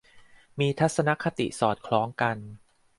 มีทัศนคติสอดคล้องกัน